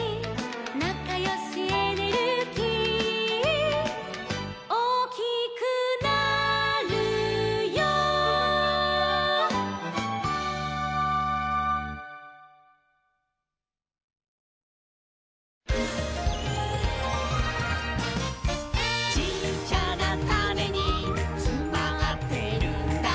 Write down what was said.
「なかよしエネルギー」「おおきくなるよ」「ちっちゃなタネにつまってるんだ」